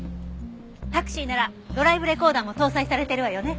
タクシーならドライブレコーダーも搭載されてるわよね。